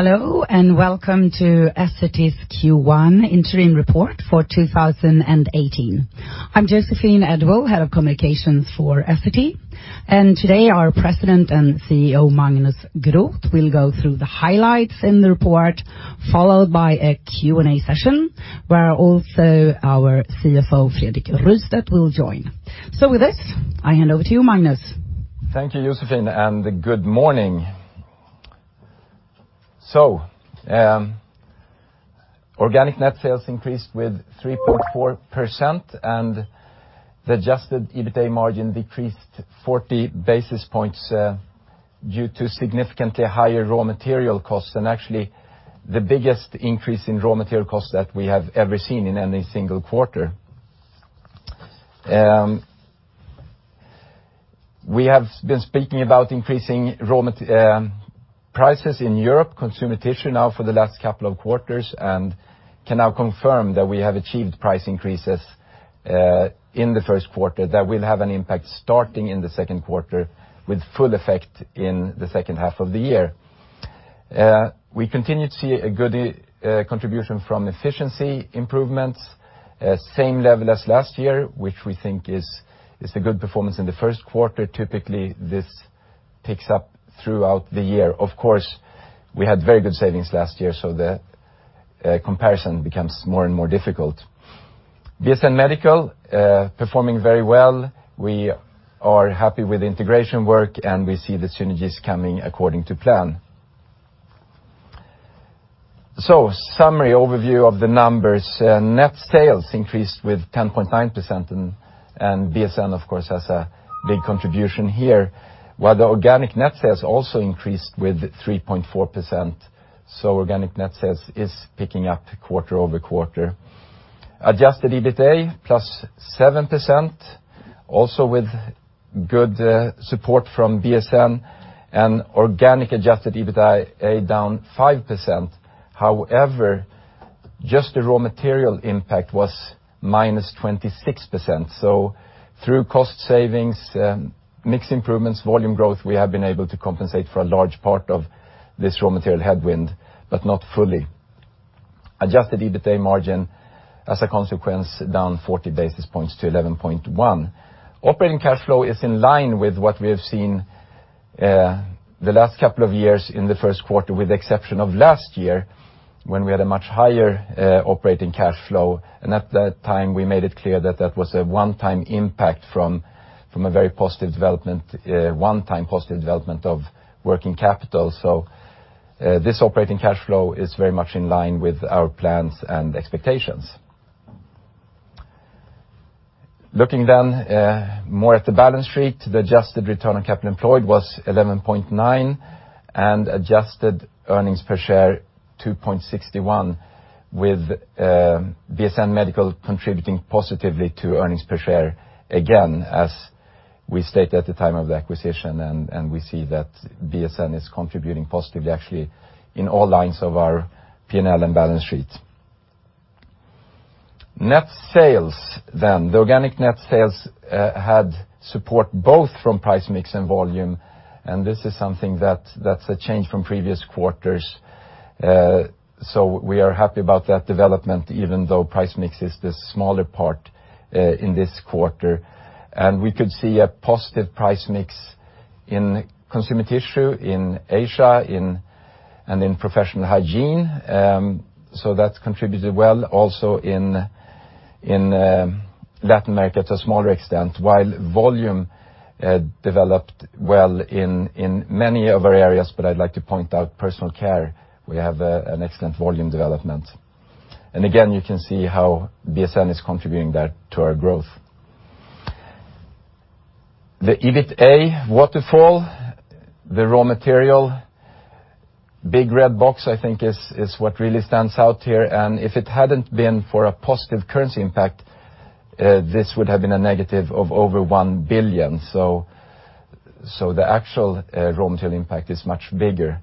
Hello, welcome to Essity's Q1 interim report for 2018. I'm Joséphine Edwall-Björklund, head of communications for Essity, today our president and CEO, Magnus Groth, will go through the highlights in the report, followed by a Q&A session where also our CFO, Fredrik Rystedt, will join. With this, I hand over to you, Magnus. Thank you, Joséphine, good morning. Organic net sales increased with 3.4%, the adjusted EBITA margin decreased 40 basis points due to significantly higher raw material costs, actually the biggest increase in raw material costs that we have ever seen in any single quarter. We have been speaking about increasing prices in Europe consumer tissue now for the last couple of quarters, can now confirm that we have achieved price increases in the first quarter that will have an impact starting in the second quarter, with full effect in the second half of the year. We continue to see a good contribution from efficiency improvements. Same level as last year, which we think is a good performance in the first quarter. Typically, this picks up throughout the year. Of course, we had very good savings last year, the comparison becomes more and more difficult. BSN medical, performing very well. We are happy with the integration work, we see the synergies coming according to plan. Summary overview of the numbers. Net sales increased with 10.9%, BSN, of course, has a big contribution here. While the organic net sales also increased with 3.4%, organic net sales is picking up quarter-over-quarter. Adjusted EBITA plus 7%, also with good support from BSN, organic adjusted EBITA down 5%. However, just the raw material impact was minus 26%. Through cost savings, mix improvements, volume growth, we have been able to compensate for a large part of this raw material headwind, but not fully. Adjusted EBITA margin, as a consequence, down 40 basis points to 11.1%. Operating cash flow is in line with what we have seen the last couple of years in the first quarter, with the exception of last year when we had a much higher operating cash flow. At that time, we made it clear that that was a one-time impact from a very positive development, one time positive development of working capital. This operating cash flow is very much in line with our plans and expectations. Looking more at the balance sheet. The adjusted return on capital employed was 11.9%, adjusted earnings per share 2.61, with BSN medical contributing positively to earnings per share, again, as we stated at the time of the acquisition, we see that BSN is contributing positively, actually, in all lines of our P&L and balance sheet. Net sales. The organic net sales had support both from price mix and volume. This is something that's a change from previous quarters. We are happy about that development even though price mix is the smaller part in this quarter. We could see a positive price mix in consumer tissue in Asia and in professional hygiene. That contributed well also in Latin America to a smaller extent. Volume developed well in many of our areas, but I'd like to point out personal care, we have an excellent volume development. Again, you can see how BSN is contributing there to our growth. The EBITA waterfall. The raw material big red box, I think, is what really stands out here. If it hadn't been for a positive currency impact, this would have been a negative of over 1 billion. The actual raw material impact is much bigger.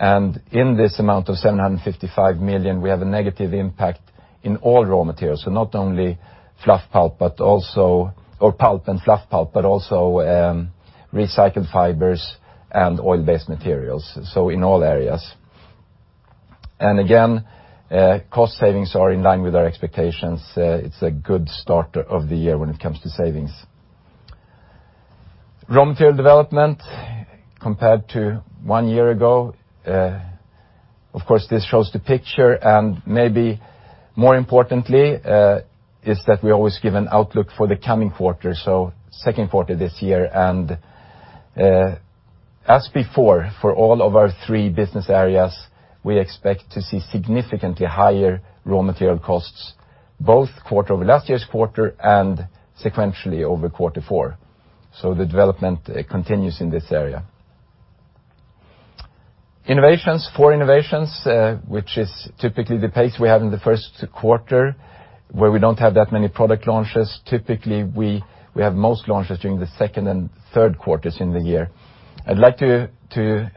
In this amount of 755 million, we have a negative impact in all raw materials. Not only pulp and fluff pulp, but also recycled fibers and oil-based materials. In all areas. Again, cost savings are in line with our expectations. It's a good start of the year when it comes to savings. Raw material development compared to one year ago. This shows the picture, and maybe more importantly, is that we always give an outlook for the coming quarter, so second quarter this year. As before, for all of our three business areas, we expect to see significantly higher raw material costs, both quarter over last year's quarter, and sequentially over quarter four. The development continues in this area. Innovations. Four innovations, which is typically the pace we have in the first quarter, where we don't have that many product launches. Typically, we have most launches during the second and third quarters in the year. I'd like to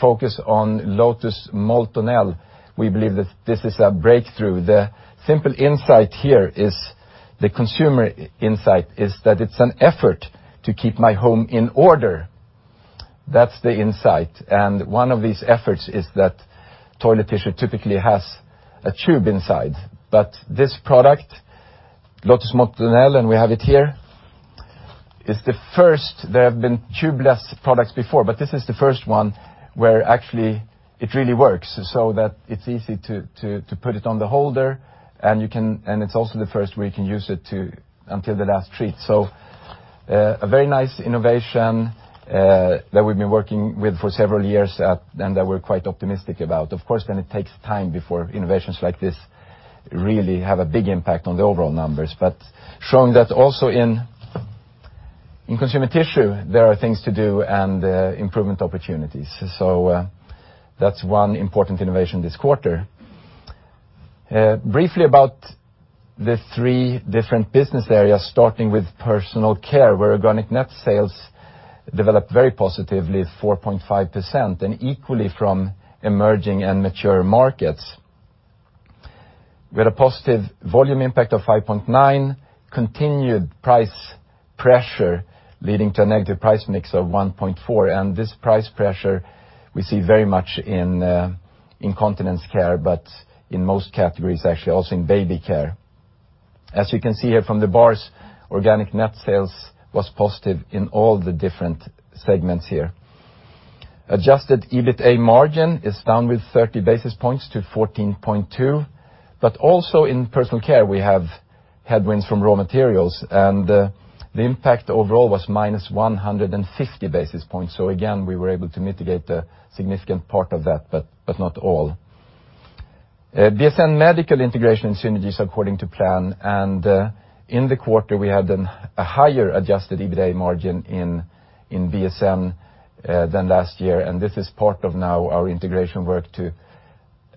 focus on Lotus Moltonel. We believe that this is a breakthrough. The simple insight here is The consumer insight is that it's an effort to keep my home in order. That's the insight. One of these efforts is that toilet tissue typically has a tube inside. This product, Lotus Moltonel, and we have it here, is the first. There have been tubeless products before, but this is the first one where actually it really works, so that it's easy to put it on the holder, and it's also the first where you can use it until the last sheet. A very nice innovation that we've been working with for several years, and that we're quite optimistic about. Of course, it takes time before innovations like this really have a big impact on the overall numbers. Showing that also in consumer tissue, there are things to do and improvement opportunities. That's one important innovation this quarter. Briefly about the three different business areas, starting with personal care, where organic net sales developed very positively at 4.5%, and equally from emerging and mature markets. We had a positive volume impact of 5.9%, continued price pressure leading to a negative price mix of 1.4%. This price pressure we see very much in incontinence care, but in most categories actually, also in Baby Care. You can see here from the bars, organic net sales was positive in all the different segments here. Adjusted EBITA margin is down with 30 basis points to 14.2%. Also in personal care, we have headwinds from raw materials, and the impact overall was -150 basis points. Again, we were able to mitigate a significant part of that, but not all. BSN medical integration synergies according to plan. In the quarter, we had a higher adjusted EBITA margin in BSN than last year. This is part of now our integration work to,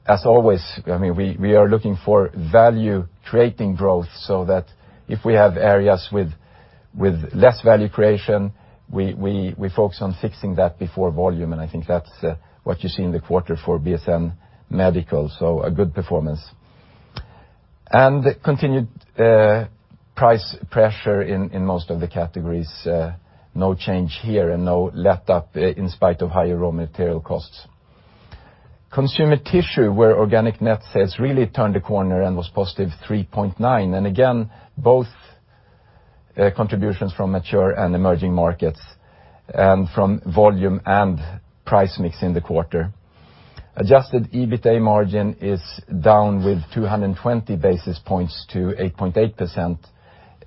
as always, we are looking for value-creating growth, so that if we have areas with less value creation, we focus on fixing that before volume. I think that's what you see in the quarter for BSN medical. A good performance. Continued price pressure in most of the categories. No change here and no letup in spite of higher raw material costs. Consumer tissue, where organic net sales really turned a corner and was +3.9%. Again, both contributions from mature and emerging markets, and from volume and price mix in the quarter. Adjusted EBITA margin is down with 220 basis points to 8.8%.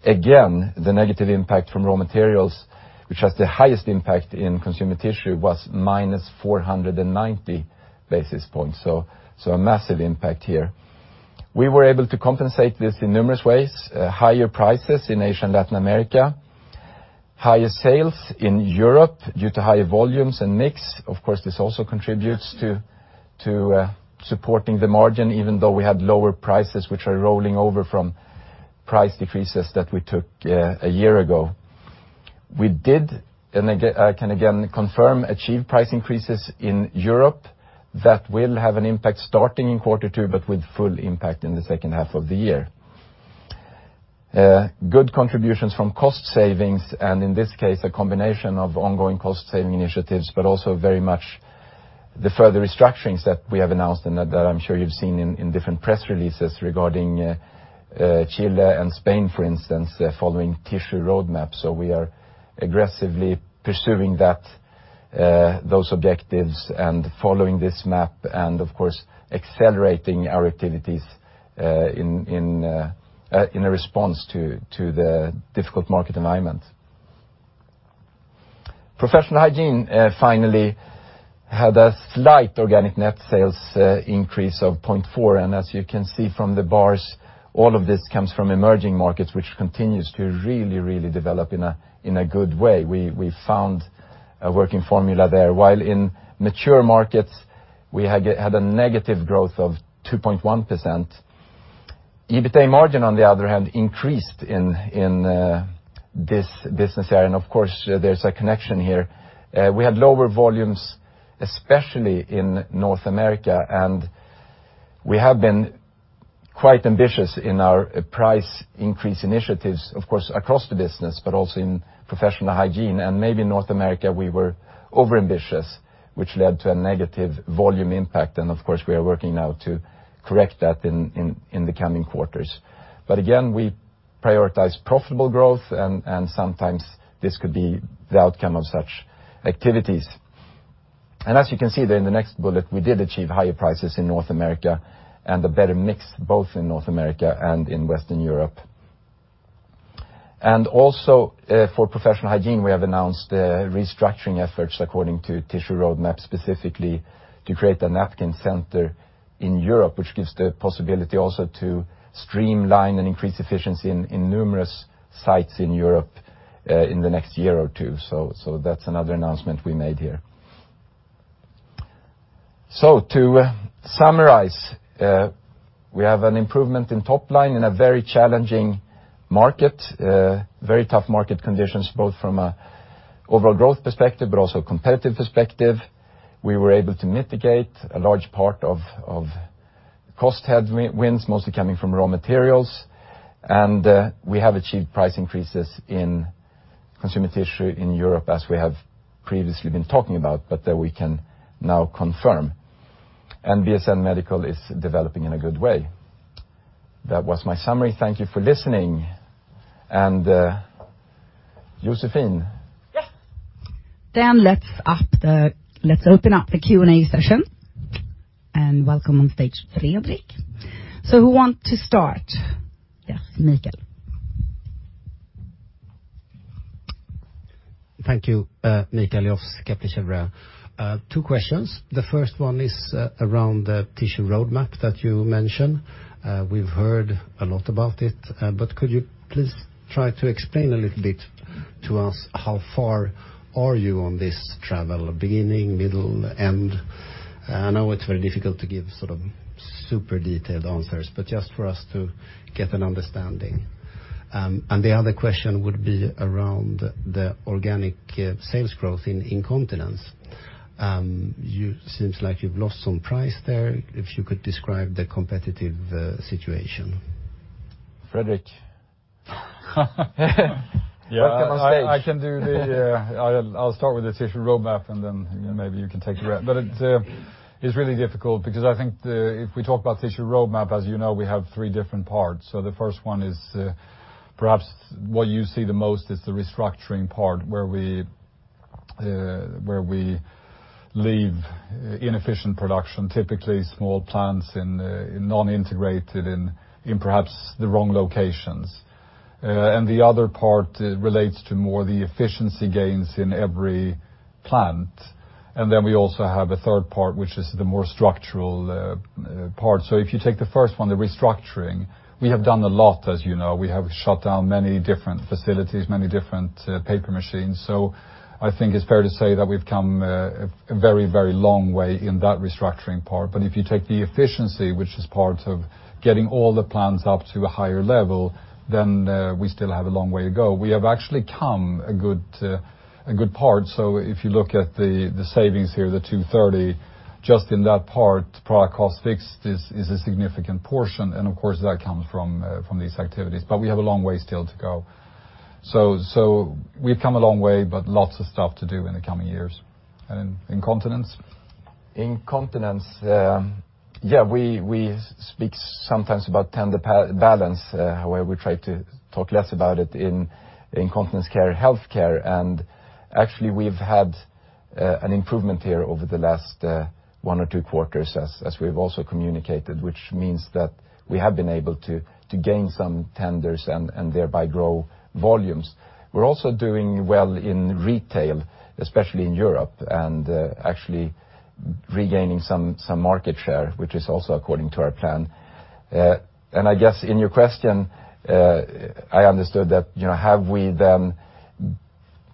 Again, the negative impact from raw materials, which has the highest impact in consumer tissue, was -490 basis points. A massive impact here. We were able to compensate this in numerous ways. Higher prices in Asia and Latin America. Higher sales in Europe due to higher volumes and mix. Of course, this also contributes to supporting the margin, even though we had lower prices, which are rolling over from price decreases that we took a year ago. We did, and I can again confirm, achieve price increases in Europe that will have an impact starting in quarter two, but with full impact in the second half of the year. Good contributions from cost savings, and in this case, a combination of ongoing cost-saving initiatives, but also very much the further restructurings that we have announced and that I'm sure you've seen in different press releases regarding Chile and Spain, for instance, following tissue roadmaps. We are aggressively pursuing those objectives and following this map and, of course, accelerating our activities in a response to the difficult market environment. Professional hygiene, finally, had a slight organic net sales increase of 0.4%. As you can see from the bars, all of this comes from emerging markets, which continues to really develop in a good way. We found a working formula there. While in mature markets, we had a negative growth of 2.1%. EBITA margin, on the other hand, increased in this business area. Of course, there's a connection here. We had lower volumes, especially in North America, and we have been quite ambitious in our price increase initiatives, of course, across the business, but also in professional hygiene. Maybe in North America, we were overambitious, which led to a negative volume impact. Of course, we are working now to correct that in the coming quarters. Again, we prioritize profitable growth, and sometimes this could be the outcome of such activities. As you can see there in the next bullet, we did achieve higher prices in North America and a better mix, both in North America and in Western Europe. For professional hygiene, we have announced restructuring efforts according to tissue roadmap, specifically to create a Napkin Centre in Europe, which gives the possibility also to streamline and increase efficiency in numerous sites in Europe in the next year or two. That's another announcement we made here. To summarize, we have an improvement in top line in a very challenging market, very tough market conditions, both from an overall growth perspective, but also a competitive perspective. We were able to mitigate a large part of cost headwinds, mostly coming from raw materials. We have achieved price increases in consumer tissue in Europe, as we have previously been talking about, but that we can now confirm. BSN medical is developing in a good way. That was my summary. Thank you for listening. Joséphine? Yes. Let's open up the Q&A session. Welcome on stage, Fredrik. Who want to start? Yes, Mikael. Thank you, Mikael of Kepler Cheuvreux. Two questions. The first one is around the tissue roadmap that you mentioned. We've heard a lot about it, but could you please try to explain a little bit to us how far are you on this travel? Beginning, middle, end? I know it's very difficult to give sort of super detailed answers, but just for us to get an understanding. The other question would be around the organic sales growth in incontinence. Seems like you've lost some price there. If you could describe the competitive situation. Fredrik. Welcome on stage. I'll start with the tissue roadmap, then maybe you can take the rest. It's really difficult because I think if we talk about tissue roadmap, as you know, we have three different parts. The first one is perhaps what you see the most is the restructuring part, where we leave inefficient production, typically small plants in non-integrated in perhaps the wrong locations. The other part relates to more the efficiency gains in every plant. We also have a third part, which is the more structural part. If you take the first one, the restructuring, we have done a lot as you know. We have shut down many different facilities, many different paper machines. I think it's fair to say that we've come a very long way in that restructuring part. If you take the efficiency, which is part of getting all the plants up to a higher level, we still have a long way to go. We have actually come a good part. If you look at the savings here, the 230, just in that part, product cost fixed is a significant portion. Of course that comes from these activities. We have a long way still to go. We've come a long way, lots of stuff to do in the coming years. Incontinence? Incontinence. We speak sometimes about tender balance, however, we try to talk less about it in Incontinence Care, healthcare. Actually, we've had an improvement here over the last one or two quarters as we've also communicated, which means that we have been able to gain some tenders and thereby grow volumes. We're also doing well in retail, especially in Europe, actually regaining some market share, which is also according to our plan. I guess in your question, I understood that have we then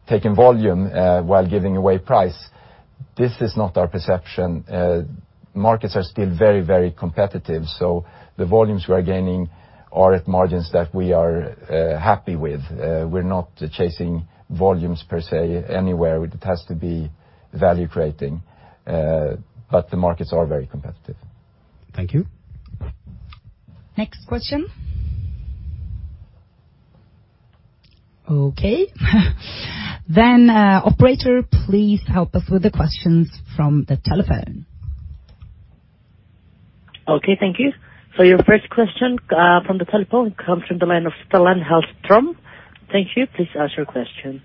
taken volume while giving away price? This is not our perception. Markets are still very competitive. The volumes we are gaining are at margins that we are happy with. We're not chasing volumes per se anywhere. It has to be value creating. The markets are very competitive. Thank you. Next question. Okay. Operator, please help us with the questions from the telephone. Okay, thank you. Your first question from the telephone comes from the line of Stellan Hallström. Thank you. Please ask your question.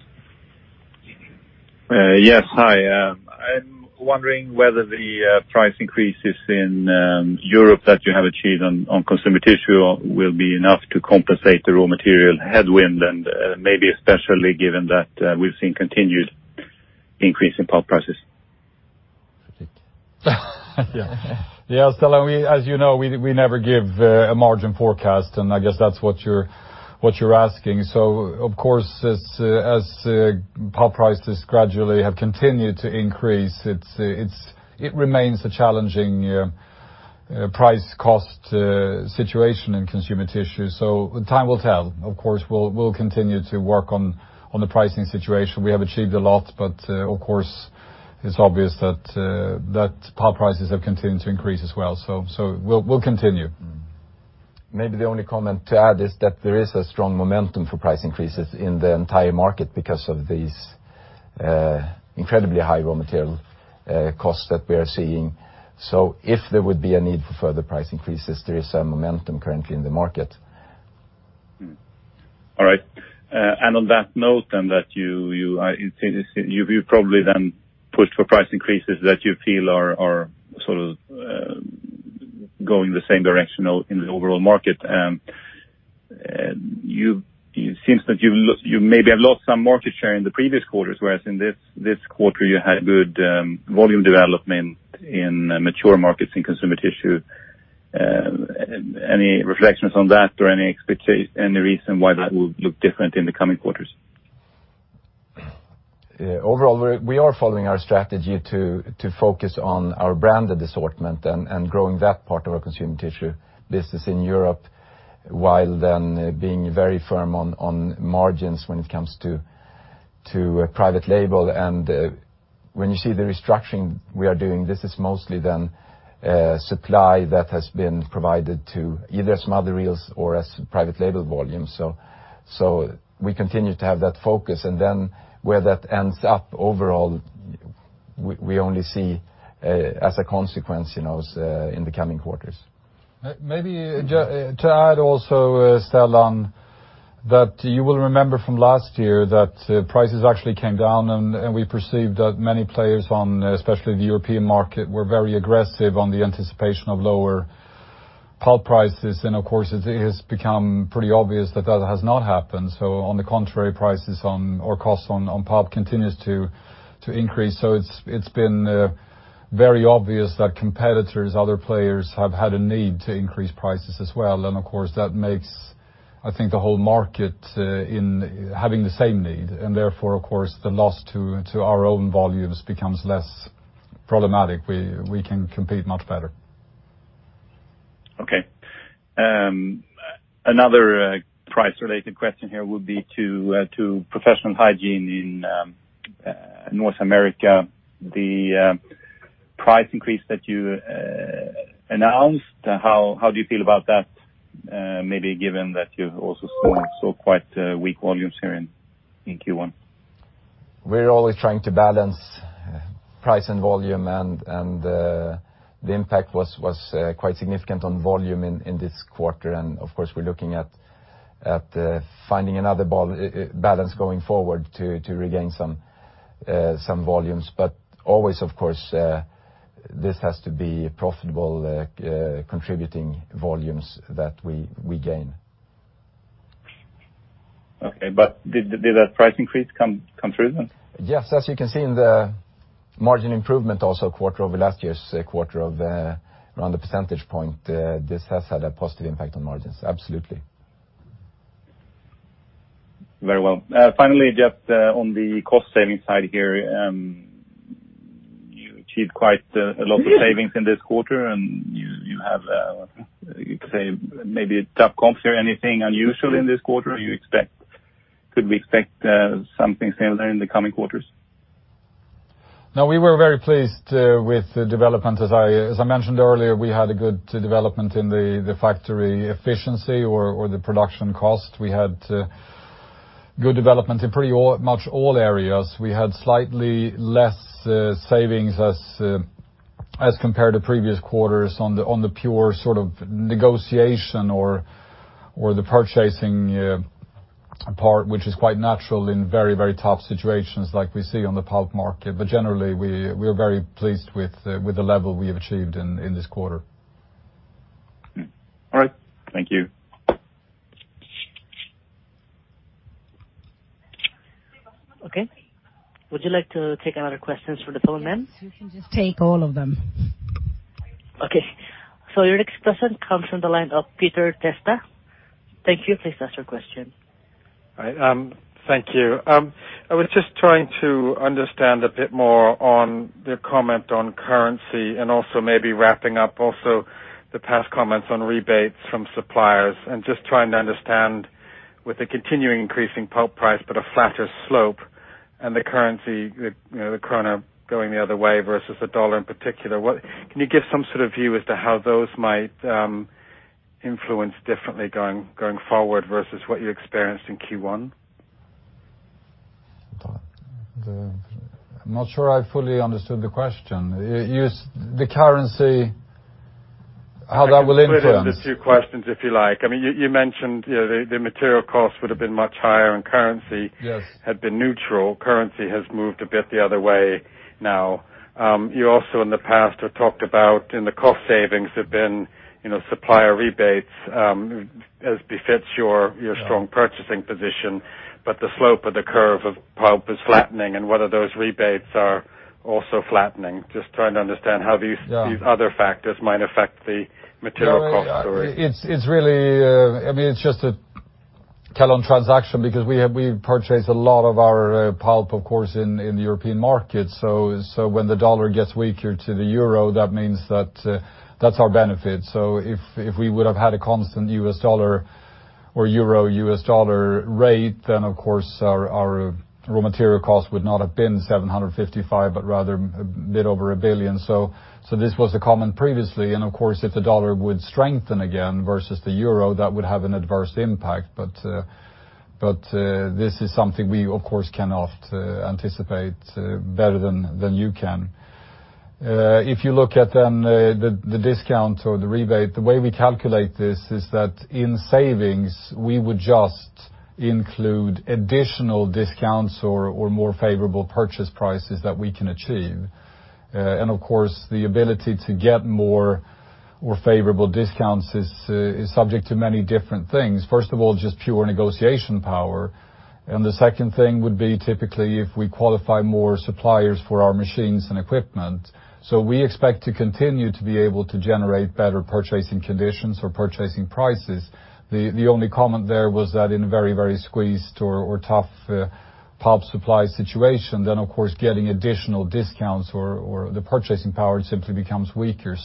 Yes. Hi. I'm wondering whether the price increases in Europe that you have achieved on consumer tissue will be enough to compensate the raw material headwind, and maybe especially given that we've seen continued increase in pulp prices. Yeah. Stellan, as you know, we never give a margin forecast, and I guess that's what you're asking. Of course, as pulp prices gradually have continued to increase, it remains a challenging price cost situation in consumer tissue. Time will tell. Of course, we'll continue to work on the pricing situation. We have achieved a lot, but of course, it's obvious that pulp prices have continued to increase as well. We'll continue. Maybe the only comment to add is that there is a strong momentum for price increases in the entire market because of these incredibly high raw material costs that we are seeing. If there would be a need for further price increases, there is some momentum currently in the market. All right. On that note then, that you probably then pushed for price increases that you feel are sort of going the same direction in the overall market. It seems that you maybe have lost some market share in the previous quarters, whereas in this quarter, you had good volume development in mature markets in consumer tissue. Any reflections on that or any reason why that would look different in the coming quarters? Overall, we are following our strategy to focus on our branded assortment and growing that part of our consumer tissue business in Europe, while then being very firm on margins when it comes to private label. When you see the restructuring we are doing, this is mostly then supply that has been provided to either some other reels or as private label volume. We continue to have that focus, and then where that ends up overall, we only see as a consequence in the coming quarters. Maybe to add also, Stellan, that you will remember from last year that prices actually came down, and we perceived that many players on especially the European market were very aggressive on the anticipation of lower pulp prices. Of course, it has become pretty obvious that that has not happened. On the contrary, prices on or costs on pulp continues to increase. It's been very obvious that competitors, other players, have had a need to increase prices as well. Of course, that makes, I think, the whole market in having the same need, and therefore, of course, the loss to our own volumes becomes less problematic. We can compete much better. Okay. Another price-related question here would be to Professional Hygiene in North America. The price increase that you announced, how do you feel about that? Maybe given that you've also seen still quite weak volumes here in Q1. We're always trying to balance price and volume, and the impact was quite significant on volume in this quarter. Of course, we're looking at finding another balance going forward to regain some volumes. Always, of course, this has to be profitable, contributing volumes that we gain. Okay. Did that price increase come through then? Yes. As you can see in the margin improvement also quarter over last year's quarter of around a percentage point, this has had a positive impact on margins. Absolutely. Very well. Finally, just on the cost-savings side here, you achieved quite a lot of savings in this quarter, you could say maybe a tough compare. Anything unusual in this quarter you expect? Could we expect something similar in the coming quarters? No, we were very pleased with the development. As I mentioned earlier, we had a good development in the factory efficiency or the production cost. We had good development in pretty much all areas. We had slightly less savings as compared to previous quarters on the pure sort of negotiation or the purchasing part, which is quite natural in very, very tough situations like we see on the pulp market. Generally, we are very pleased with the level we have achieved in this quarter. All right. Thank you. Okay. Would you like to take another questions for the moment? You can just take all of them. Your next question comes from the line of Peter Testa. Thank you. Please ask your question. Thank you. I was just trying to understand a bit more on the comment on currency and also maybe wrapping up also the past comments on rebates from suppliers and just trying to understand with the continuing increasing pulp price but a flatter slope and the currency, the krona going the other way versus the U.S. dollar in particular. Can you give some sort of view as to how those might influence differently going forward versus what you experienced in Q1? I'm not sure I fully understood the question. The currency, how that will influence? I can split it into two questions if you like. You mentioned the material costs would have been much higher, and currency- Yes had been neutral. Currency has moved a bit the other way now. You also in the past have talked about in the cost savings have been supplier rebates, as befits your strong purchasing position, the slope of the curve of pulp is flattening and whether those rebates are also flattening. Just trying to understand how these other factors might affect the material cost story. It's just an FX transaction because we purchase a lot of our pulp, of course, in the European market. When the dollar gets weaker to the EUR, that means that that's our benefit. If we would have had a constant USD or EUR-USD rate, then of course our raw material cost would not have been 755 but rather a bit over 1 billion. This was a comment previously, of course, if the dollar would strengthen again versus the EUR, that would have an adverse impact, this is something we, of course, cannot anticipate better than you can. If you look at then the discount or the rebate, the way we calculate this is that in savings, we would just include additional discounts or more favorable purchase prices that we can achieve. Of course, the ability to get more favorable discounts is subject to many different things. First of all, just pure negotiation power, and the second thing would be typically if we qualify more suppliers for our machines and equipment. We expect to continue to be able to generate better purchasing conditions or purchasing prices. The only comment there was that in a very, very squeezed or tough pulp supply situation, then of course getting additional discounts or the purchasing power simply becomes weaker.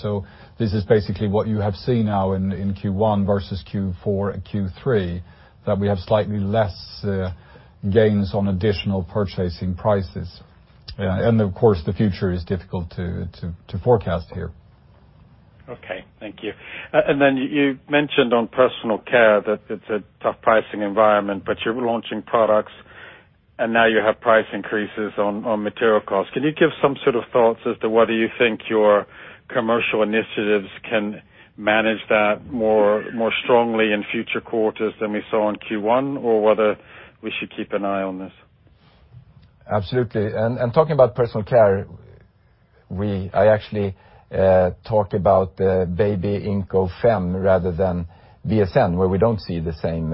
This is basically what you have seen now in Q1 versus Q4 and Q3, that we have slightly less gains on additional purchasing prices. Yeah. The future is difficult to forecast here. Okay. Thank you. You mentioned on personal care that it's a tough pricing environment, but you're launching products, and now you have price increases on material costs. Can you give some sort of thoughts as to whether you think your commercial initiatives can manage that more strongly in future quarters than we saw in Q1, or whether we should keep an eye on this? Absolutely. Talking about personal care, I actually talked about Baby, Inco, Fem rather than BSN, where we don't see the same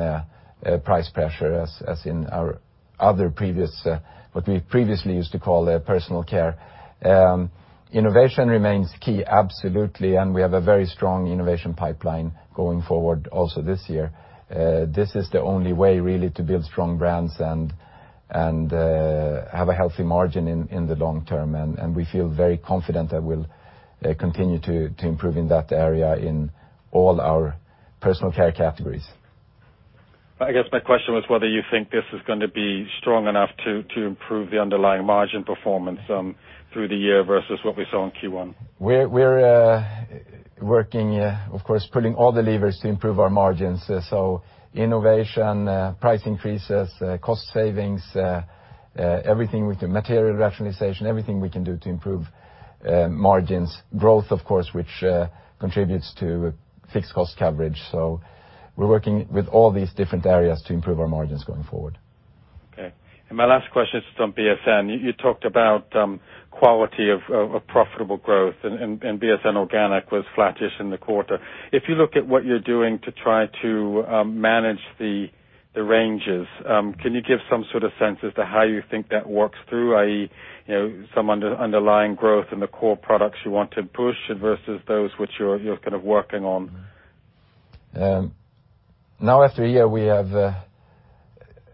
price pressure as in our other previous, what we previously used to call personal care. Innovation remains key, absolutely, and we have a very strong innovation pipeline going forward also this year. This is the only way, really, to build strong brands and have a healthy margin in the long term. We feel very confident that we'll continue to improve in that area in all our personal care categories. I guess my question was whether you think this is going to be strong enough to improve the underlying margin performance through the year versus what we saw in Q1. We're working, of course, pulling all the levers to improve our margins. Innovation, price increases, cost savings, everything with the material rationalization, everything we can do to improve margins. Growth, of course, which contributes to fixed cost coverage. We're working with all these different areas to improve our margins going forward. Okay. My last question is on BSN. You talked about quality of profitable growth and BSN organic was flattish in the quarter. If you look at what you're doing to try to manage the ranges, can you give some sort of sense as to how you think that works through, i.e. some underlying growth in the core products you want to push versus those which you're kind of working on? Now, after a year, we have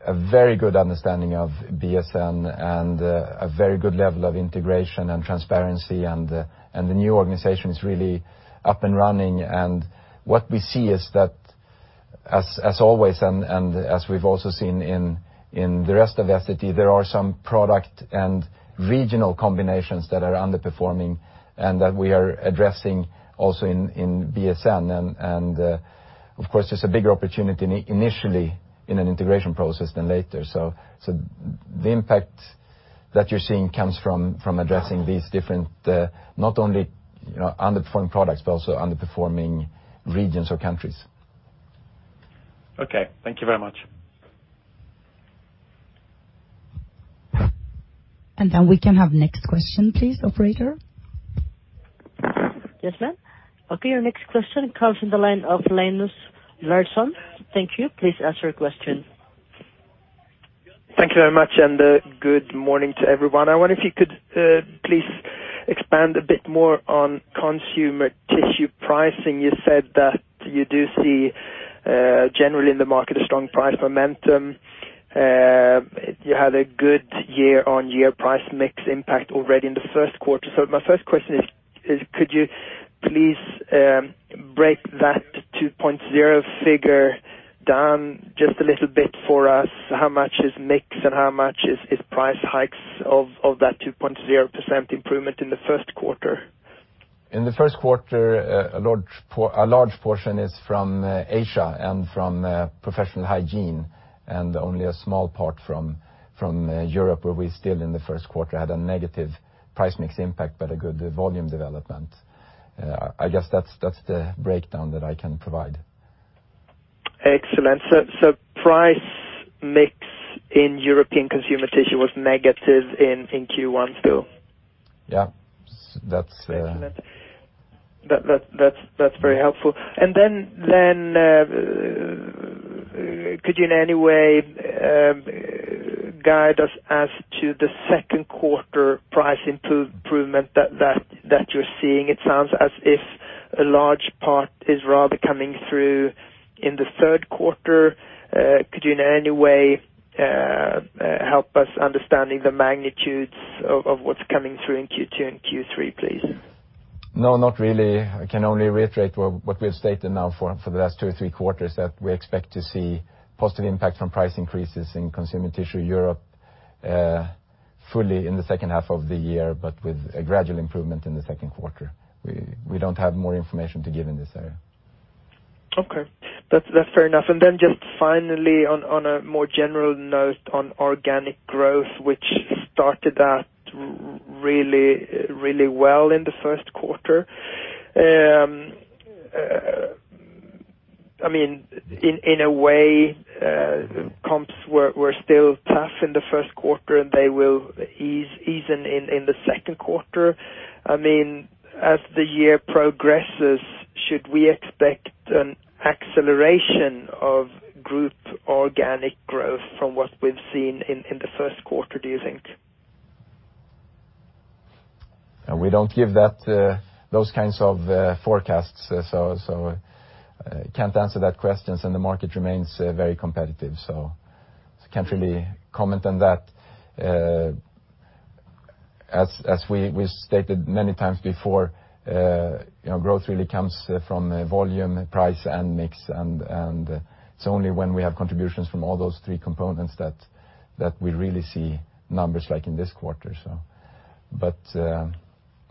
a very good understanding of BSN and a very good level of integration and transparency, and the new organization is really up and running. What we see is that, as always, and as we've also seen in the rest of Essity, there are some product and regional combinations that are underperforming and that we are addressing also in BSN. Of course, there's a bigger opportunity initially in an integration process than later. The impact that you're seeing comes from addressing these different not only underperforming products, but also underperforming regions or countries. Okay. Thank you very much. We can have next question, please, operator. Yes, ma'am. Okay. Our next question comes from the line of Linus Larsson. Thank you. Please ask your question. Thank you very much, good morning to everyone. I wonder if you could please expand a bit more on consumer tissue pricing. You said that you do see generally in the market a strong price momentum. You had a good year-on-year price mix impact already in the first quarter. My first question is, could you please break that 2.0 figure down just a little bit for us? How much is mix and how much is price hikes of that 2.0% improvement in the first quarter? In the first quarter, a large portion is from Asia from professional hygiene, only a small part from Europe, where we still in the first quarter had a negative price mix impact a good volume development. I guess that's the breakdown that I can provide. Excellent. Price mix in European consumer tissue was negative in Q1 still? Yeah. Excellent. That's very helpful. Could you in any way guide us as to the second quarter price improvement that you're seeing? It sounds as if a large part is rather coming through in the third quarter. Could you in any way help us understanding the magnitudes of what's coming through in Q2 and Q3, please? No, not really. I can only reiterate what we have stated now for the last two or three quarters, that we expect to see positive impact from price increases in consumer tissue Europe fully in the second half of the year, but with a gradual improvement in the second quarter. We don't have more information to give in this area. Okay. That's fair enough. Just finally, on a more general note on organic growth, which started out really well in the first quarter. In a way, comps were still tough in the first quarter, and they will ease even in the second quarter. As the year progresses, should we expect an acceleration of group organic growth from what we've seen in the first quarter, do you think? We don't give those kinds of forecasts, so can't answer that question. The market remains very competitive, so can't really comment on that. As we stated many times before, growth really comes from volume, price, and mix, it's only when we have contributions from all those three components that we really see numbers like in this quarter.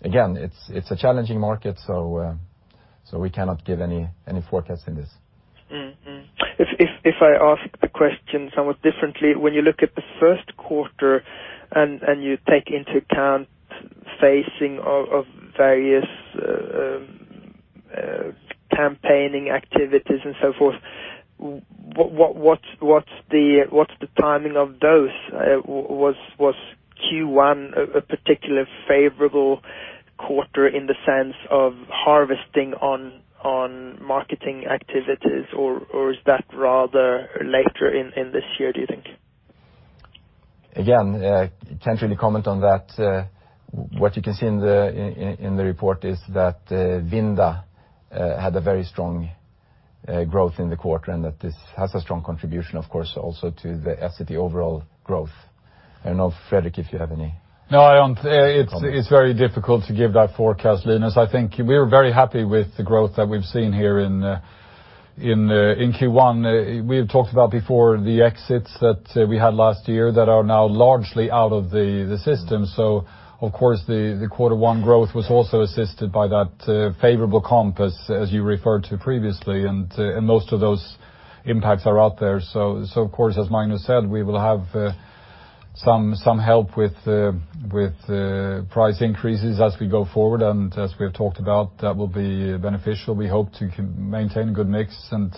Again, it's a challenging market, so we cannot give any forecasts in this. If I ask the question somewhat differently, when you look at the first quarter and you take into account phasing of various campaigning activities and so forth, what's the timing of those? Was Q1 a particular favorable quarter in the sense of harvesting on marketing activities, or is that rather later in this year, do you think? Again, can't really comment on that. What you can see in the report is that Vinda had a very strong growth in the quarter, that this has a strong contribution, of course, also to the Essity overall growth. I don't know, Fredrik. No, I don't comments. It's very difficult to give that forecast, Linus. I think we're very happy with the growth that we've seen here in Q1. We have talked about before the exits that we had last year that are now largely out of the system. Of course, the quarter one growth was also assisted by that favorable comp as you referred to previously, and most of those impacts are out there. Of course, as Magnus said, we will have some help with price increases as we go forward, and as we have talked about, that will be beneficial. We hope to maintain a good mix, and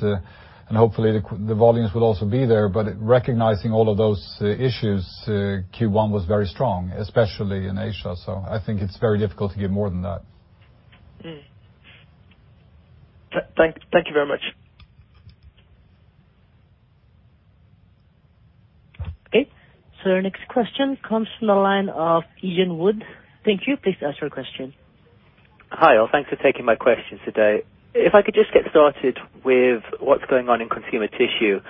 hopefully the volumes will also be there. Recognizing all of those issues, Q1 was very strong, especially in Asia. I think it's very difficult to give more than that. Thank you very much. Our next question comes from the line of Iain Wood. Thank you. Please ask your question. Hi, all. Thanks for taking my questions today. If I could just get started with what's going on in consumer tissue.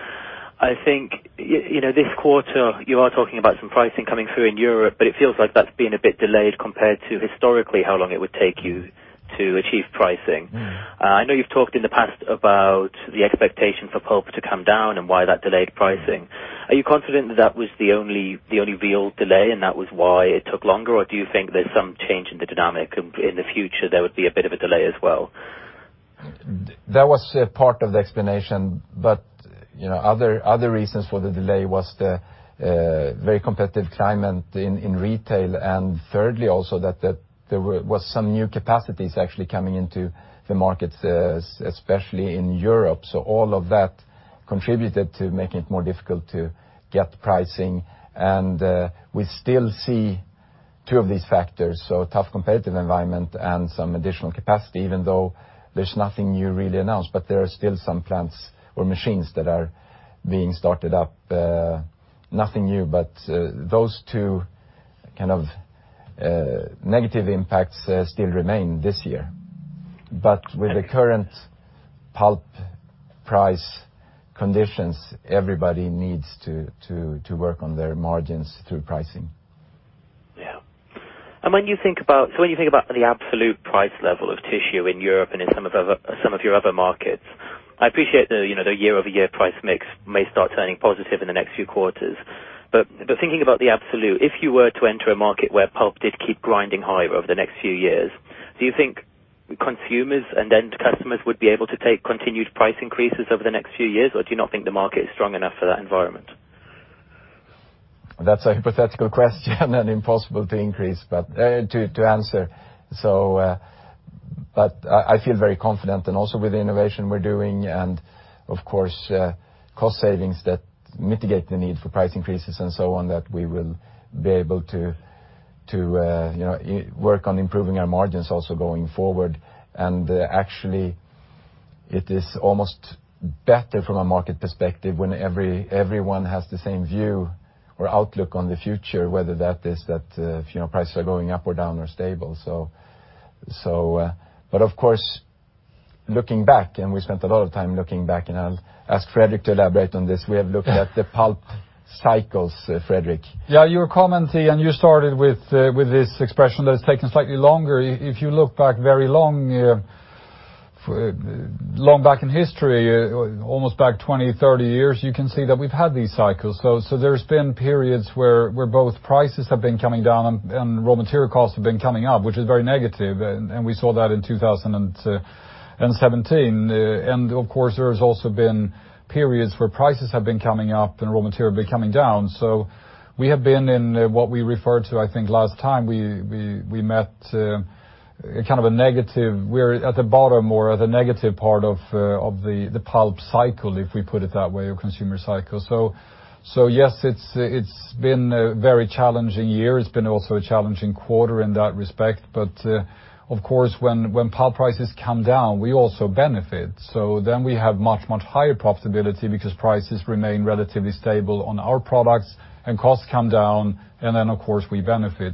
I think, this quarter you are talking about some pricing coming through in Europe, it feels like that's been a bit delayed compared to historically how long it would take you to achieve pricing. I know you've talked in the past about the expectation for pulp to come down and why that delayed pricing. Are you confident that that was the only real delay, and that was why it took longer, or do you think there's some change in the dynamic, in the future there would be a bit of a delay as well? That was part of the explanation. Other reasons for the delay was the very competitive climate in retail, and thirdly, also that there was some new capacities actually coming into the market, especially in Europe. All of that contributed to making it more difficult to get pricing. We still see two of these factors, so tough competitive environment and some additional capacity, even though there's nothing new really announced, but there are still some plants or machines that are being started up. Nothing new, those two kind of negative impacts still remain this year. With the current pulp price conditions, everybody needs to work on their margins through pricing. Yeah. When you think about the absolute price level of tissue in Europe and in some of your other markets, I appreciate the year-over-year price mix may start turning positive in the next few quarters. Thinking about the absolute, if you were to enter a market where pulp did keep grinding higher over the next few years, do you think consumers and end customers would be able to take continued price increases over the next few years, or do you not think the market is strong enough for that environment? That's a hypothetical question and impossible to answer. I feel very confident and also with the innovation we're doing and of course, cost savings that mitigate the need for price increases and so on, that we will be able to work on improving our margins also going forward. Actually, it is almost better from a market perspective when everyone has the same view or outlook on the future, whether that is that prices are going up or down or stable. Of course, looking back, and we spent a lot of time looking back, and I'll ask Fredrik to elaborate on this. We have looked at the pulp cycles, Fredrik. Your comment, Iain, you started with this expression that it's taken slightly longer. If you look back very long back in history, almost back 20, 30 years, you can see that we've had these cycles. There's been periods where both prices have been coming down and raw material costs have been coming up, which is very negative, and we saw that in 2017. Of course, there's also been periods where prices have been coming up and raw material have been coming down. We have been in what we referred to, I think, last time we met, kind of a negative. We're at the bottom or the negative part of the pulp cycle, if we put it that way, or consumer cycle. Yes, it's been a very challenging year. It's been also a challenging quarter in that respect. Of course, when pulp prices come down, we also benefit. We have much, much higher profitability because prices remain relatively stable on our products and costs come down, and then of course we benefit.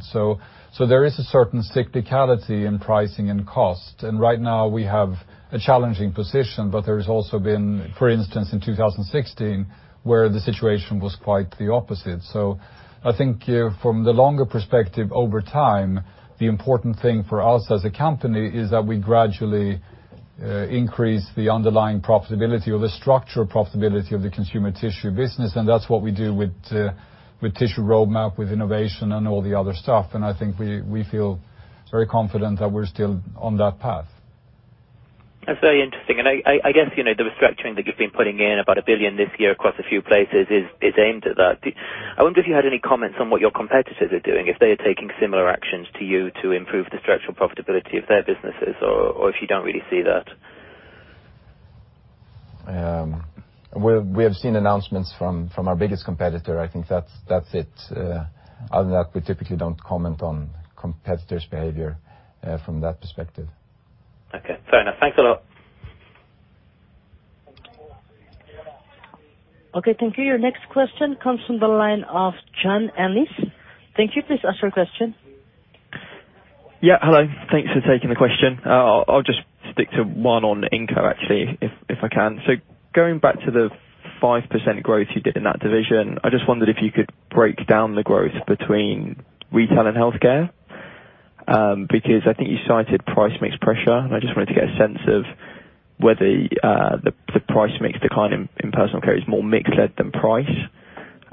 There is a certain cyclicality in pricing and cost. Right now we have a challenging position, but there's also been, for instance, in 2016, where the situation was quite the opposite. I think from the longer perspective over time, the important thing for us as a company is that we gradually increase the underlying profitability or the structural profitability of the consumer tissue business, and that's what we do with tissue roadmap, with innovation and all the other stuff. I think we feel very confident that we're still on that path. That's very interesting. I guess, the restructuring that you've been putting in, about 1 billion this year across a few places is aimed at that. I wonder if you had any comments on what your competitors are doing, if they are taking similar actions to you to improve the structural profitability of their businesses, or if you don't really see that. We have seen announcements from our biggest competitor. I think that's it. Other than that, we typically don't comment on competitors' behavior from that perspective. Okay, fair enough. Thanks a lot. Okay, thank you. Your next question comes from the line of Charles Eden. Thank you. Please ask your question. Yeah, hello. Thanks for taking the question. I'll just stick to one on Inco, actually, if I can. Going back to the 5% growth you did in that division, I just wondered if you could break down the growth between retail and healthcare. I think you cited price mix pressure, and I just wanted to get a sense of whether the price mix decline in personal care is more mix-led than price,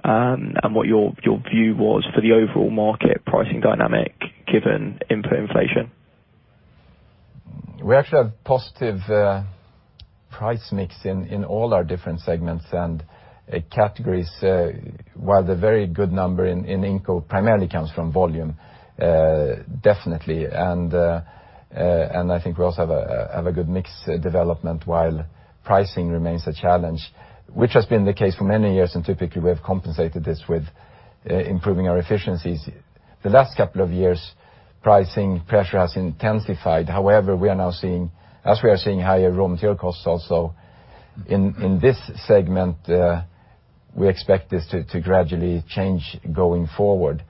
and what your view was for the overall market pricing dynamic given input inflation. We actually have positive price mix in all our different segments and categories, while the very good number in Inco primarily comes from volume, definitely. I think we also have a good mix development while pricing remains a challenge, which has been the case for many years, and typically we have compensated this with improving our efficiencies. The last couple of years, pricing pressure has intensified. However, as we are seeing higher raw material costs also, in this segment, we expect this to gradually change going forward.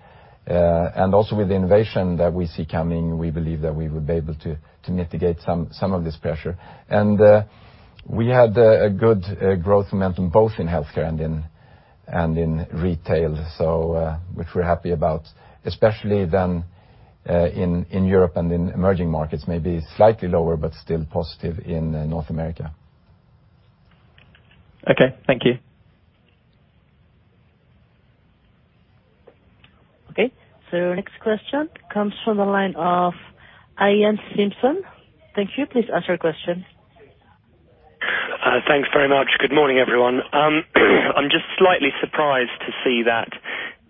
Also with the innovation that we see coming, we believe that we would be able to mitigate some of this pressure. We had a good growth momentum both in healthcare and in retail, which we're happy about, especially then in Europe and in emerging markets, maybe slightly lower, but still positive in North America. Okay, thank you. Okay, next question comes from the line of Iain Simpson. Thank you. Please ask your question. Thanks very much. Good morning, everyone. I'm just slightly surprised to see that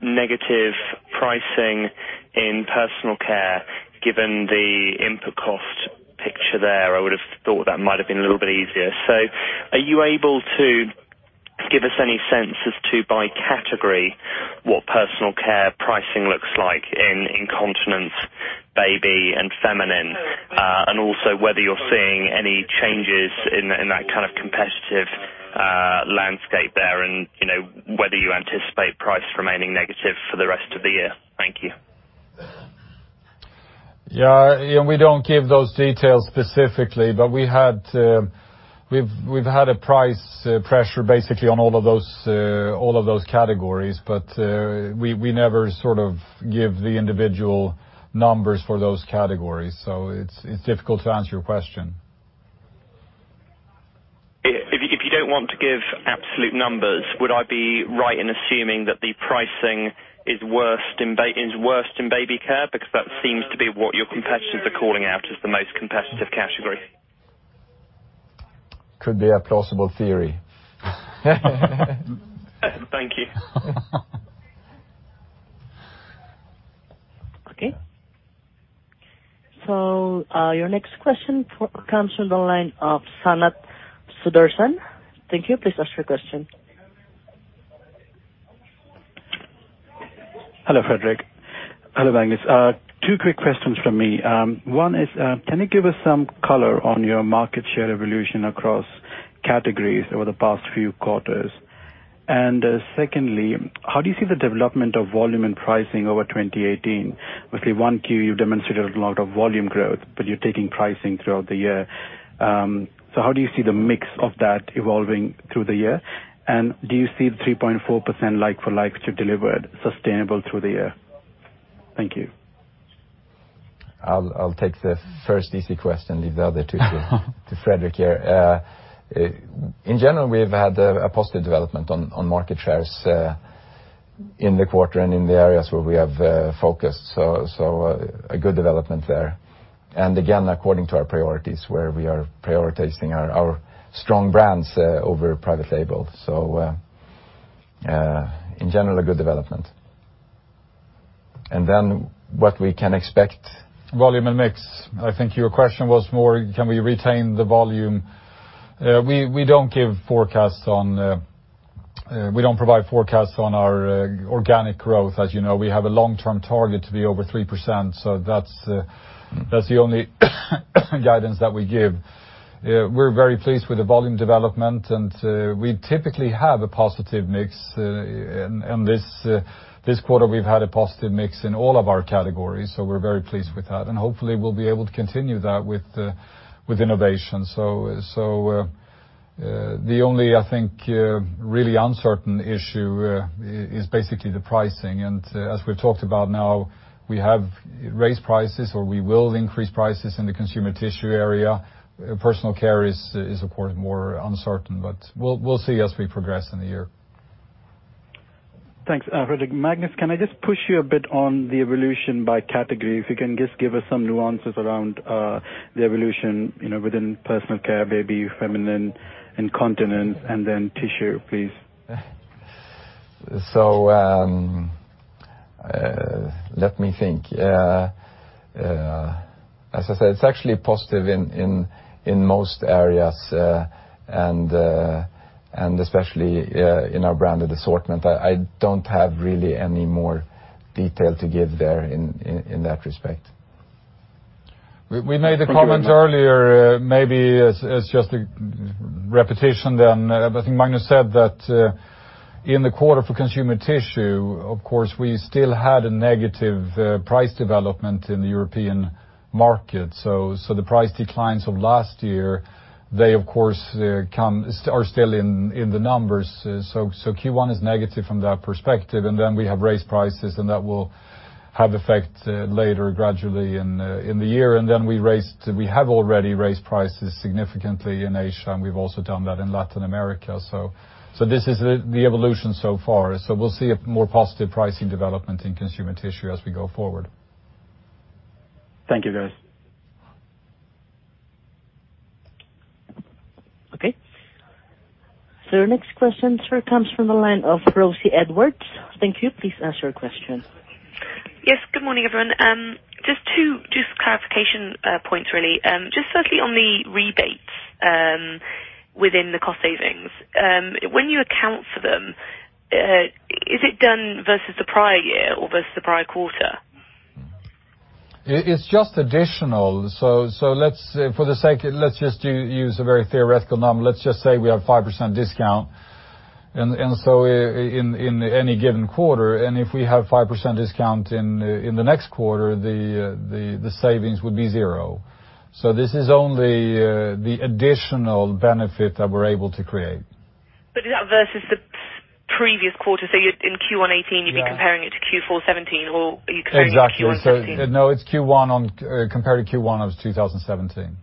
negative pricing in personal care, given the input cost picture there. I would have thought that might have been a little bit easier. Are you able to give us any sense as to, by category, what personal care pricing looks like in incontinence, baby and feminine? Also whether you're seeing any changes in that kind of competitive landscape there and whether you anticipate price remaining negative for the rest of the year. Thank you. Yeah. We don't give those details specifically, we've had a price pressure basically on all of those categories. We never give the individual numbers for those categories. It's difficult to answer your question. If you don't want to give absolute numbers, would I be right in assuming that the pricing is worst in Baby Care? Because that seems to be what your competitors are calling out as the most competitive category. Could be a plausible theory. Thank you. Your next question comes from the line of Sanat Sudarsan. Thank you. Please ask your question. Hello, Fredrik. Hello, Magnus. Two quick questions from me. One is, can you give us some color on your market share evolution across categories over the past few quarters? Secondly, how do you see the development of volume and pricing over 2018? Obviously, one key, you've demonstrated a lot of volume growth, but you're taking pricing throughout the year. How do you see the mix of that evolving through the year? Do you see the 3.4% like for like that you delivered sustainable through the year? Thank you. I'll take the first easy question, leave the other two to Fredrik here. In general, we've had a positive development on market shares in the quarter and in the areas where we have focused. A good development there. Again, according to our priorities, where we are prioritizing our strong brands over private label. In general, a good development. What we can expect- Volume and mix. I think your question was more can we retain the volume? We don't provide forecasts on our organic growth. As you know, we have a long-term target to be over 3%, so that's the only guidance that we give. We're very pleased with the volume development, and we typically have a positive mix. This quarter, we've had a positive mix in all of our categories, so we're very pleased with that. Hopefully we'll be able to continue that with innovation. The only, I think, really uncertain issue is basically the pricing. As we've talked about now, we have raised prices, or we will increase prices in the consumer tissue area. Personal care is of course, more uncertain. We'll see as we progress in the year. Thanks, Fredrik. Magnus, can I just push you a bit on the evolution by category? If you can just give us some nuances around the evolution within personal care, baby, feminine, incontinence, and then tissue, please. Let me think. As I said, it is actually positive in most areas, and especially in our branded assortment. I do not have really any more detail to give there in that respect. We made a comment earlier, maybe as just a repetition then, but I think Magnus said that in the quarter for consumer tissue, of course, we still had a negative price development in the European market. The price declines of last year, they, of course, are still in the numbers. Q1 is negative from that perspective, and then we have raised prices, and that will have effect later gradually in the year. We have already raised prices significantly in Asia, and we have also done that in Latin America. This is the evolution so far. We will see a more positive pricing development in consumer tissue as we go forward. Thank you, guys. Okay. Your next question, sir, comes from the line of Rosie Edwards. Thank you. Please ask your question. Yes, good morning, everyone. Two clarification points, really. Firstly, on the rebates within the cost savings. When you account for them, is it done versus the prior year or versus the prior quarter? It's additional. For the sake, let's use a very theoretical number. Let's say we have 5% discount in any given quarter, and if we have 5% discount in the next quarter, the savings would be zero. This is only the additional benefit that we're able to create. Is that versus the previous quarter? In Q1 2018, you'd be comparing it to Q4 2017, or are you comparing it to Q1 2017? Exactly. No, it's Q1 compared to Q1 of 2017.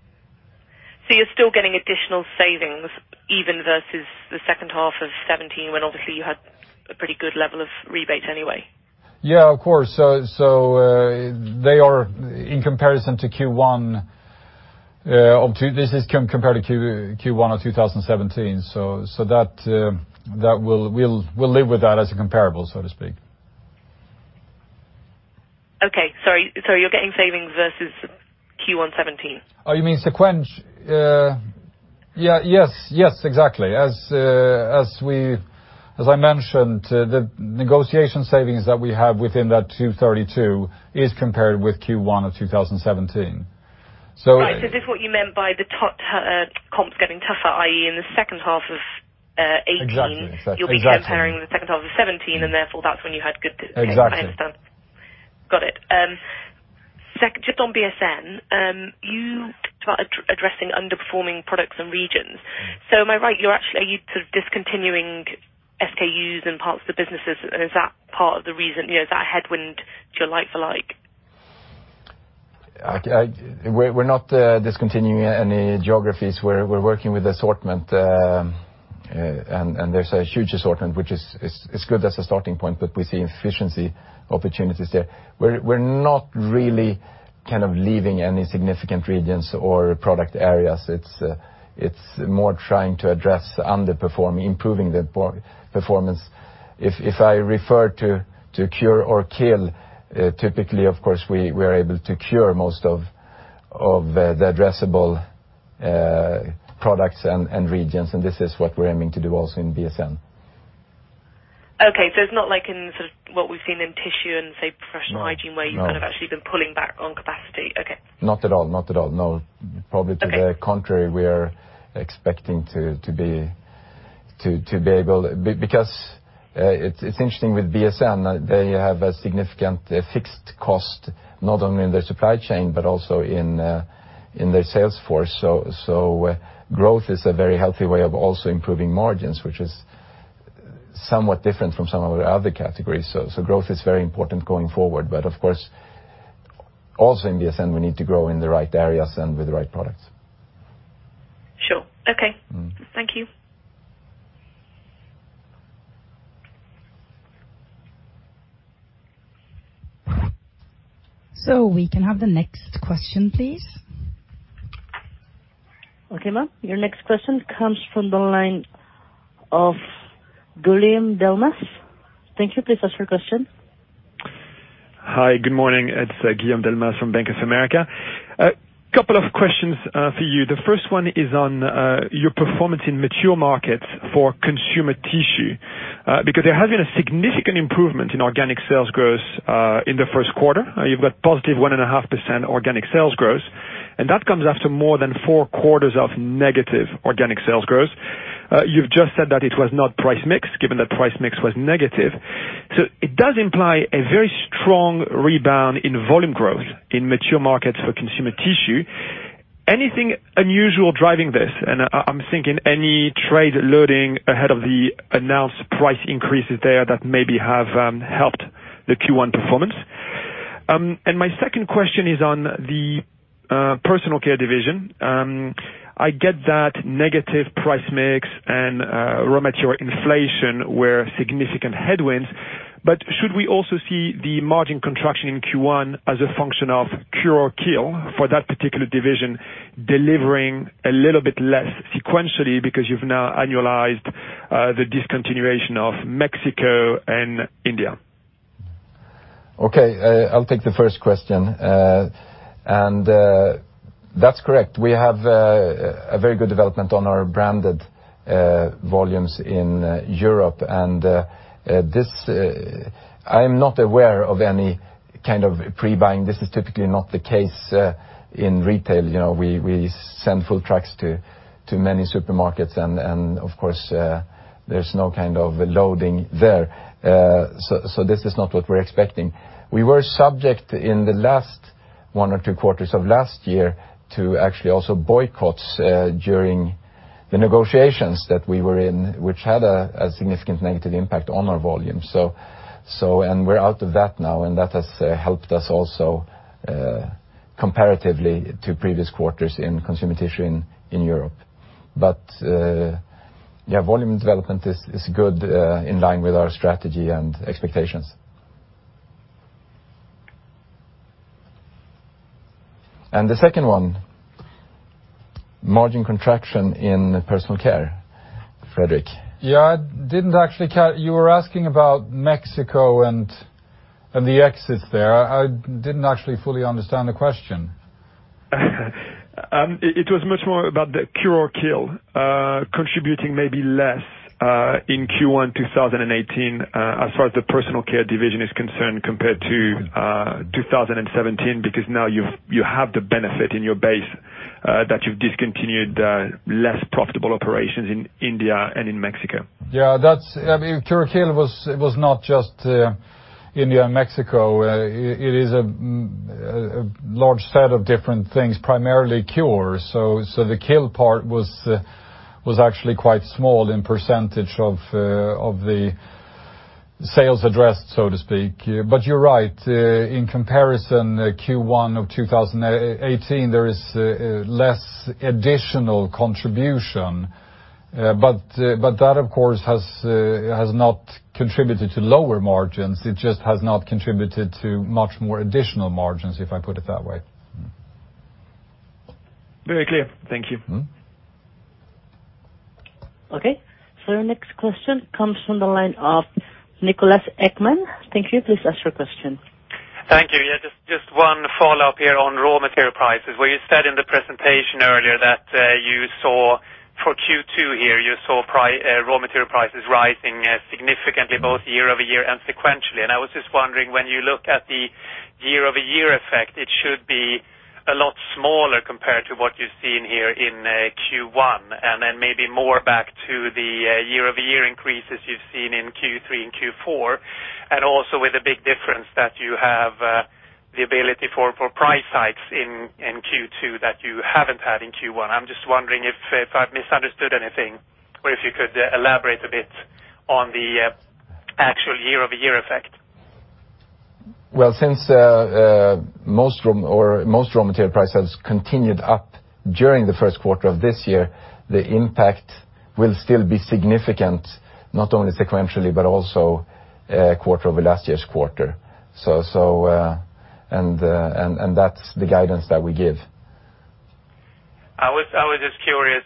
You're still getting additional savings even versus the second half of 2017 when obviously you had a pretty good level of rebates anyway? Yeah, of course. They are in comparison to Q1. This is compared to Q1 of 2017. We'll live with that as a comparable, so to speak. Okay. Sorry. You're getting savings versus Q1 2017. Oh, you mean sequential? Yes, exactly. As I mentioned, the negotiation savings that we have within that 232 is compared with Q1 of 2017. Right. Is this what you meant by the comps getting tougher, i.e., in the second half of 2018? Exactly You'll be comparing the second half of 2017, and therefore, that's when you had good. Exactly. I understand. Got it. Second, just on BSN, you talked about addressing underperforming products and regions. Am I right, are you discontinuing SKUs and parts of the businesses, and is that part of the reason, is that a headwind to your like-for-like? We're not discontinuing any geographies. We're working with assortment, and there's a huge assortment, which is good as a starting point, but we see efficiency opportunities there. We're not really kind of leaving any significant regions or product areas. It's more trying to address underperforming, improving the performance. If I refer to kill or cure, typically, of course, we are able to cure most of the addressable products and regions, and this is what we're aiming to do also in BSN. Okay, it's not like in sort of what we've seen in tissue and, say, professional hygiene. No Where you've kind of actually been pulling back on capacity. Okay. Not at all. No. Probably to the contrary, we are expecting to be able. Because it's interesting with BSN, they have a significant fixed cost, not only in their supply chain but also in their sales force. Growth is a very healthy way of also improving margins, which is somewhat different from some of our other categories. Growth is very important going forward. Of course, also in BSN, we need to grow in the right areas and with the right products. Sure. Okay. Thank you. We can have the next question, please. Okay, ma'am. Your next question comes from the line of Guillaume Delmas. Thank you. Please ask your question. Hi, good morning. It's Guillaume Delmas from Bank of America. A couple of questions for you. The first one is on your performance in mature markets for consumer tissue. There has been a significant improvement in organic sales growth in the first quarter. You've got positive 1.5% organic sales growth, and that comes after more than four quarters of negative organic sales growth. You've just said that it was not price mix, given that price mix was negative. It does imply a very strong rebound in volume growth in mature markets for consumer tissue. Anything unusual driving this? I'm thinking any trade loading ahead of the announced price increases there that maybe have helped the Q1 performance. My second question is on the personal care division. I get that negative price mix and raw material inflation were significant headwinds, should we also see the margin contraction in Q1 as a function of kill or cure for that particular division, delivering a little bit less sequentially because you've now annualized the discontinuation of Mexico and India? Okay. I'll take the first question. That's correct. We have a very good development on our branded volumes in Europe. I'm not aware of any kind of pre-buying. This is typically not the case in retail. We send full trucks to many supermarkets and of course there's no kind of loading there. This is not what we're expecting. We were subject in the last one or two quarters of last year to actually also boycotts during the negotiations that we were in, which had a significant negative impact on our volume. We're out of that now, and that has helped us also comparatively to previous quarters in consumer tissue in Europe. Volume development is good, in line with our strategy and expectations. The second one, margin contraction in personal care. Fredrik? Yeah, you were asking about Mexico and the exits there. I didn't actually fully understand the question. It was much more about the kill or cure contributing maybe less in Q1 2018 as far as the personal care division is concerned compared to 2017, because now you have the benefit in your base that you've discontinued less profitable operations in India and in Mexico. Yeah. Cure or kill was not just India and Mexico. It is a large set of different things, primarily cure. The kill part was actually quite small in percentage of the sales addressed, so to speak. You're right, in comparison to Q1 of 2018, there is less additional contribution. That, of course, has not contributed to lower margins. It just has not contributed to much more additional margins, if I put it that way. Very clear. Thank you. Our next question comes from the line of Niklas Ekman. Thank you. Please ask your question. Thank you. Just one follow-up here on raw material prices, where you said in the presentation earlier that for Q2 here, you saw raw material prices rising significantly both year-over-year and sequentially. I was just wondering, when you look at the year-over-year effect, it should be a lot smaller compared to what you've seen here in Q1, then maybe more back to the year-over-year increases you've seen in Q3 and Q4, also with the big difference that you have the ability for price hikes in Q2 that you haven't had in Q1. I'm just wondering if I've misunderstood anything, or if you could elaborate a bit on the actual year-over-year effect. Well, since most raw material prices continued up during the first quarter of this year, the impact will still be significant, not only sequentially, but also quarter over last year's quarter. That's the guidance that we give. I was just curious,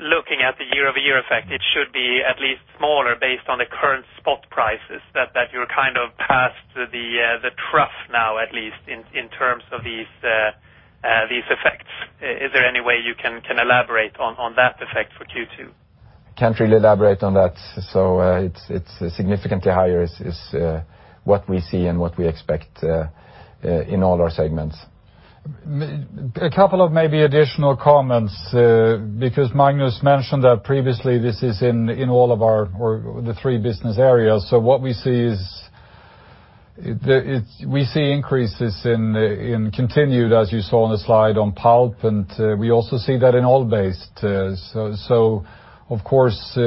looking at the year-over-year effect, it should be at least smaller based on the current spot prices, that you're kind of past the trough now, at least in terms of these effects. Is there any way you can elaborate on that effect for Q2? Can't really elaborate on that. It's significantly higher is what we see and what we expect in all our segments. A couple of maybe additional comments, because Magnus mentioned that previously this is in all of our three business areas. What we see is increases continued, as you saw on the slide on pulp, and we also see that in oil base. Of course,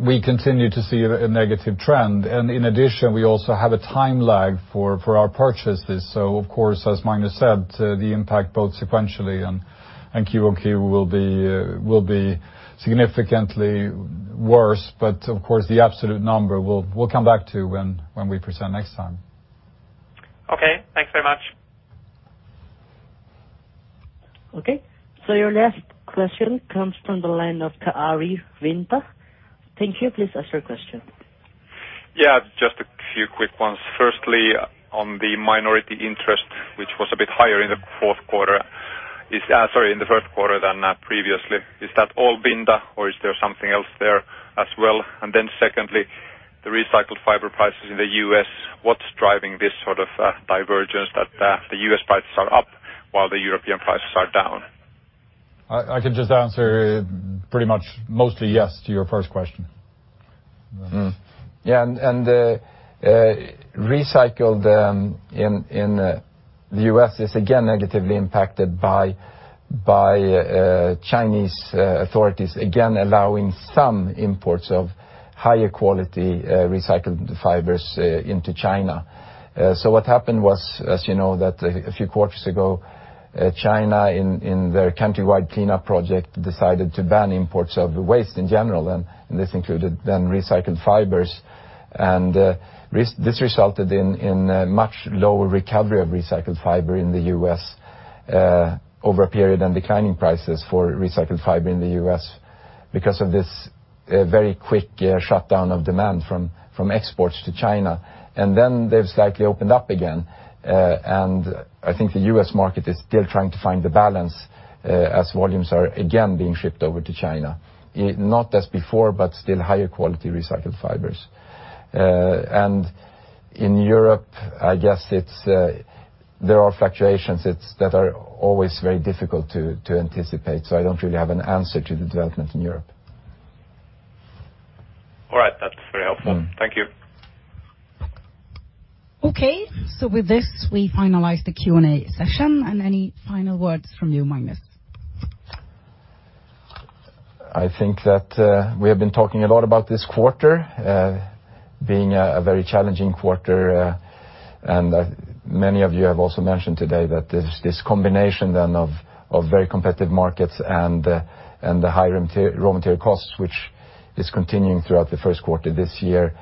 we continue to see a negative trend. In addition, we also have a time lag for our purchases. Of course, as Magnus said, the impact both sequentially and Q1 will be significantly worse. Of course, the absolute number, we'll come back to when we present next time. Okay. Thanks very much. Okay. Your last question comes from the line of Kari Vinta. Thank you. Please ask your question. Just a few quick ones. Firstly, on the minority interest, which was a bit higher in the first quarter than previously. Is that all Vinda or is there something else there as well? Secondly, the recycled fiber prices in the U.S., what's driving this sort of divergence that the U.S. prices are up while the European prices are down? I can just answer pretty much mostly yes to your first question. The U.S. is again negatively impacted by Chinese authorities again allowing some imports of higher quality recycled fibers into China. What happened was, as you know, that a few quarters ago, China, in their countrywide cleanup project, decided to ban imports of waste in general, and this included then recycled fibers. This resulted in much lower recovery of recycled fiber in the U.S. over a period, and declining prices for recycled fiber in the U.S. because of this very quick shutdown of demand from exports to China. They've slightly opened up again, and I think the U.S. market is still trying to find the balance as volumes are again being shipped over to China, not as before, but still higher quality recycled fibers. In Europe, I guess there are fluctuations that are always very difficult to anticipate. I don't really have an answer to the development in Europe. All right. That's very helpful. Thank you. With this, we finalize the Q&A session. Any final words from you, Magnus? I think that we have been talking a lot about this quarter being a very challenging quarter, and many of you have also mentioned today that there's this combination then of very competitive markets and the high raw material costs, which is continuing throughout the first quarter this year.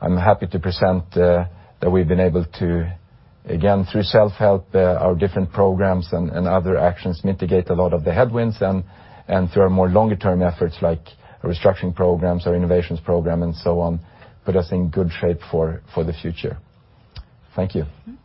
I'm happy to present that we've been able to, again, through self-help, our different programs, and other actions, mitigate a lot of the headwinds, and through our more longer-term efforts like restructuring programs or innovations program and so on, put us in good shape for the future. Thank you.